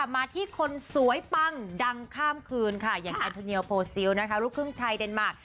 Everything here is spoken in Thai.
มาที่คนสวยปังดังข้ามคืนค่ะอย่างแอนโทเนียลโพซิลนะคะลูกครึ่งไทยเดนมาร์ค